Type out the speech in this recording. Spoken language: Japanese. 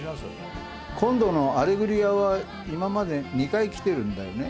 今度の『アレグリア』は今まで２回来てるんだよね。